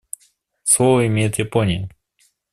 Слово имеет Япония.